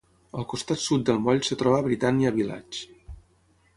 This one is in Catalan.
Al costat sud del Moll es troba Britannia Village.